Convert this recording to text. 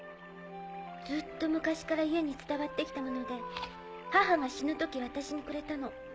ずっと昔から家に伝わって来たもので母が死ぬ時私にくれたの。